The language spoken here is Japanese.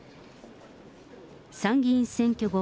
参議院選挙後